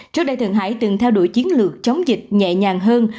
trước đây thượng hải từng theo đuổi chiến lược chống dịch nhẹ nhàng hơn